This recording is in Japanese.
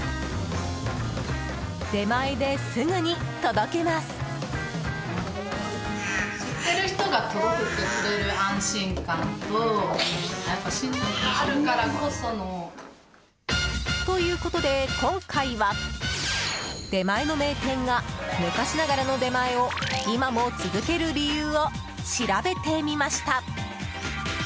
出前ですぐに届けます！ということで今回は出前の名店が昔ながらの出前を今も続ける理由を調べてみました。